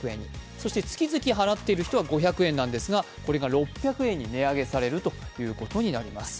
そして月々払っている人は５００円なんですが、これが６００円に値上げされることになります。